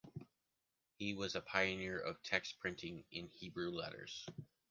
He was a pioneer of text printing in Hebrew letters.